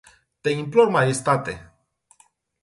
Te implor majestate.